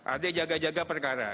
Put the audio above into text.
ada jaga jaga perkara